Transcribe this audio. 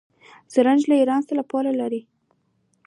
زرنج له ایران سره پوله لري.